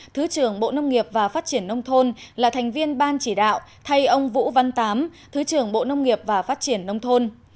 thứ trưởng bộ nông nghiệp và phát triển nông thôn là thành viên ban chỉ đạo thay ông vũ văn tám thứ trưởng bộ nông nghiệp và phát triển nông thôn